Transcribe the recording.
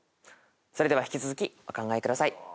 それでは引き続きお考えください。